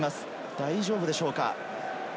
大丈夫でしょうか。